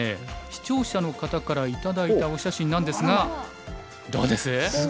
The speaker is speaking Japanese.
視聴者の方から頂いたお写真なんですがどうです？